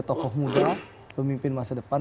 tokoh muda pemimpin masa depan